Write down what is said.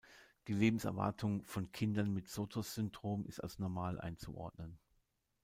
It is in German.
Die Lebenserwartung von Kindern mit Sotos-Syndrom ist als normal einzuordnen.